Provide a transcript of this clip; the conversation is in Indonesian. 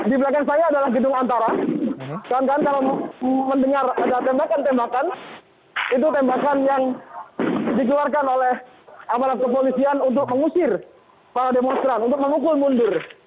di belakang saya adalah gedung antara kawan kawan kalau mendengar ada tembakan tembakan itu tembakan yang dikeluarkan oleh aparat kepolisian untuk mengusir para demonstran untuk memukul mundur